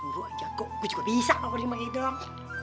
bu anjakok gue juga bisa kalau di manggil dong